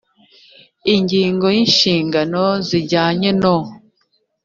ingingo ya inshingano zijyanye no